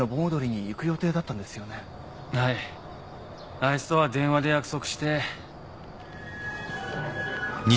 あいつとは電話で約束して。